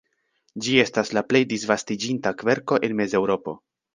Ĝi estas la plej disvastiĝinta kverko en Mezeŭropo.